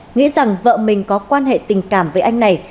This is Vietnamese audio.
nghĩ rằng vợ mình có quan hệ tình cảm với anh này